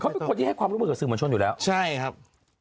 เขาเป็นคนที่ให้ความรู้สึกกับสื่อมัญชนอยู่แล้วใช่ครับ